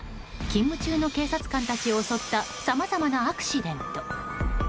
勤務中の警察官たちを襲ったさまざまなアクシデント。